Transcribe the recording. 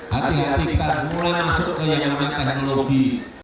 hati hati kita mulai masuk ke yang namanya teknologi